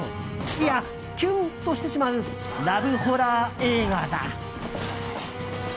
いや、キュンとしてしまうラブホラー映画だ！